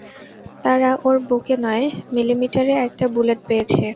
তারা ওর বুকে নয় মিলিমিটারের একটা বুলেট পেয়েছে।